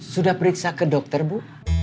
sudah periksa ke dokter bu